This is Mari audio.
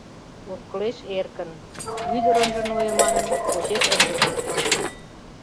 Ошкылеш эркын, ӱдыр ынже нойо манын, почеш ынже код манын.